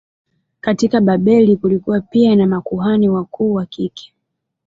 Katika Babeli kulikuwa pia na makuhani wakuu wa kike.